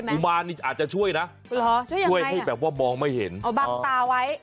ุมารนี่อาจจะช่วยนะช่วยให้แบบว่ามองไม่เห็นเอาบังตาไว้